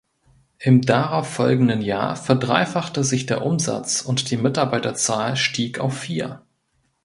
Im darauffolgenden Jahr verdreifachte sich der Umsatz und die Mitarbeiterzahl stieg auf vier.